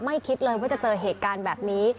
คิดเลยว่าจะเจอเหตุการณ์แบบนี้